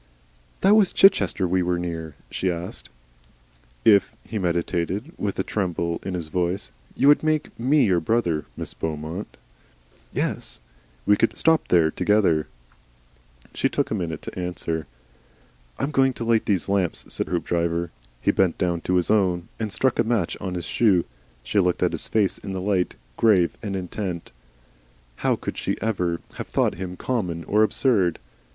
"That was Chichester we were near?" she asked. "If," he meditated, with a tremble in his voice, "you would make ME your brother, MISS BEAUMONT." "Yes?" "We could stop there together " She took a minute to answer. "I am going to light these lamps," said Hoopdriver. He bent down to his own, and struck a match on his shoe. She looked at his face in its light, grave and intent. How could she ever have thought him common or absurd?